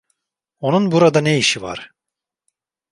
Onun burada ne işi var?